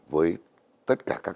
với tất cả các nhân dân